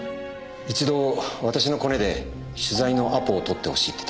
一度私のコネで取材のアポを取ってほしいって頼まれた事が。